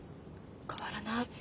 変わらない。